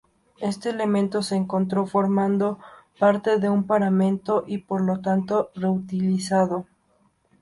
Este elemento se encontró formando parte de un paramento y por lo tanto reutilizado.